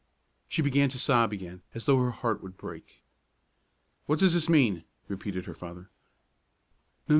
She began to sob again as though her heart would break. "What does this mean?" repeated her father.